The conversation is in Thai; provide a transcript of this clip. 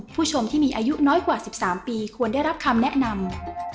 ผู้ชมที่มีอายุน้อยกว่า๑๓ปีควรได้รับคำแนะนำ